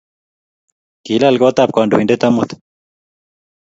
kilal kot ab kandoindet amut